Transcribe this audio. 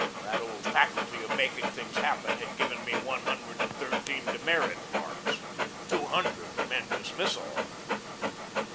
That old faculty for making things happen had given me one hundred and thirteen demerit marks. Two hundred meant dismissal.